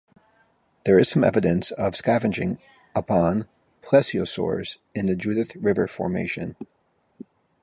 There is some evidence of scavenging upon Plesiosaurs in the Judith River Formation.